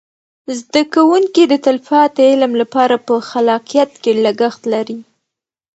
زده کوونکي د تلپاتې علم لپاره په خلاقیت کې لګښته لري.